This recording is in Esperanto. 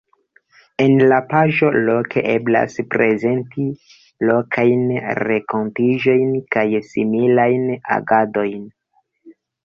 En la paĝo Loke eblas prezenti lokajn renkontiĝojn kaj similajn agadojn.